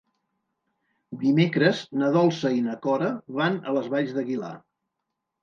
Dimecres na Dolça i na Cora van a les Valls d'Aguilar.